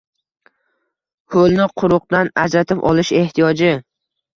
Ho‘lni quruqdan ajratib olish ehtiyoji